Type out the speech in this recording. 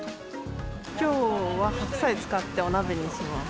きょうは白菜使ってお鍋にします。